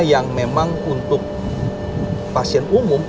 yang memang untuk pasien umum